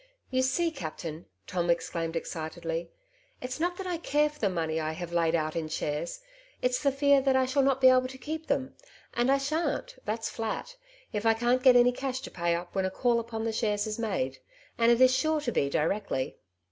" You see, captain/' Tom exclaimed excitedly, '^ its not that I care for the money I have laid out in shares, it's the fear that I shall not be able to keep them ; and I shan't, that's flat, if I can't get cash to pay up when a call upon the shares is made, and it is sure to be, directly."